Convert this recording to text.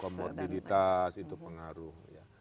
komorbiditas itu pengaruh